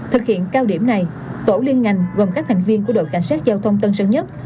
thực hiện cao điểm này tổ liên ngành gồm các thành viên của đội cảnh sát giao thông tân sơn nhất